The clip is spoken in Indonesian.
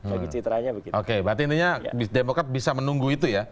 oke berarti intinya demokrat bisa menunggu itu ya